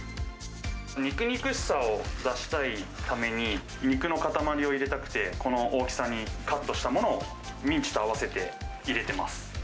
肉々しさを出したいために、肉の塊を入れたくて、この大きさにカットしたものをミンチと合わせて入れています。